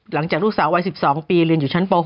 หลังจากลูกสาววัย๑๒ปีเรียนอยู่ชั้นป๖